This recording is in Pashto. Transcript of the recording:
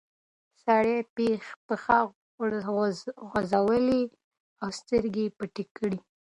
سړي پښې وغځولې او سترګې پټې کړې.